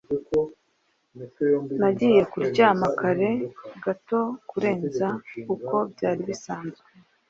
Nagiye kuryama kare gato kurenza uko byari bisanzwe.